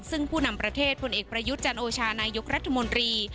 ซึ่งผู้นำประเทศผลเอกประยุทธ์จันโอชานายกรัฐมนตรี